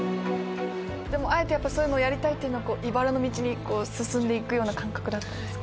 あえてそういうのをやりたいっていうのは茨の道に進んでいくような感覚だったんですか？